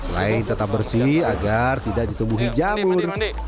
lain tetap bersih agar tidak ditumbuhi jamur